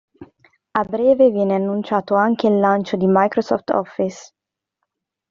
A breve viene annunciato anche il lancio di Microsoft Office.